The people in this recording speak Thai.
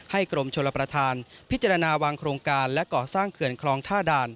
กรมชลประธานพิจารณาวางโครงการและก่อสร้างเขื่อนคลองท่าด่าน